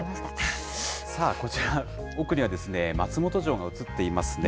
さあ、こちら、奥には松本城が映っていますね。